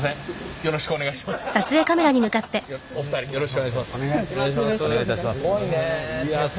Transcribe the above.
よろしくお願いします。